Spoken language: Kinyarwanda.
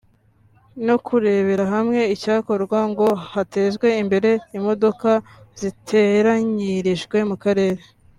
no kurebera hamwe icyakorwa ngo hatezwe imbere imodoka ziteranyirijwe mu karere